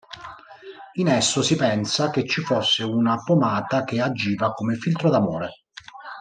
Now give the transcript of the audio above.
In esso si pensa che ci fosse una pomata che agiva come filtro d'amore.